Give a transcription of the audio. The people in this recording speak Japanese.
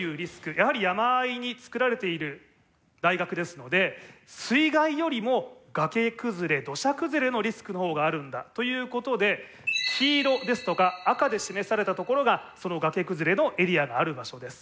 やはり山あいに造られている大学ですので水害よりも崖崩れ土砂崩れのリスクのほうがあるんだということで黄色ですとか赤で示されたところがその崖崩れのエリアがある場所です。